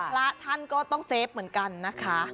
พระท่านก็ต้องเซฟเหมือนกันนะคะ